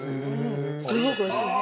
すごくおいしいね。